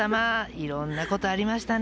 いろいろなことがありましたね。